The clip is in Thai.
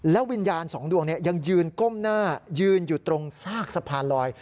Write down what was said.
วิญญาณสองดวงยังยืนก้มหน้ายืนอยู่ตรงซากสะพานลอย